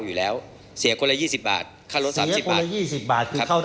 มีการที่จะพยายามติดศิลป์บ่นเจ้าพระงานนะครับ